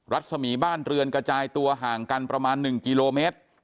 รัศมีบ้านเรือนกระจายตัวห่างกันประมาณ๑กิโลเมตร